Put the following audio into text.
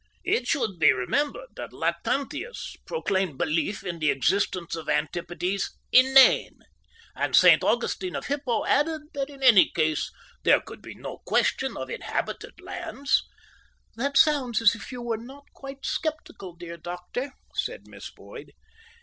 It should be remembered that Lactantius proclaimed belief in the existence of antipodes inane, and Saint Augustine of Hippo added that in any case there could be no question of inhabited lands." "That sounds as if you were not quite sceptical, dear doctor," said Miss Boyd.